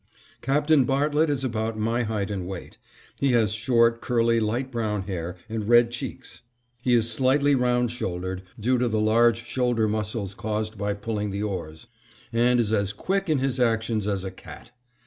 Captain Bartlett is about my height and weight. He has short, curly, light brown hair and red cheeks; is slightly round shouldered, due to the large shoulder muscles caused by pulling the oars, and is as quick in his actions as a cat.